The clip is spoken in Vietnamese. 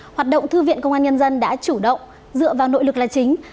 hoạt động thư viện công an nhân dân đã chủ động dựa vào nội lực là chính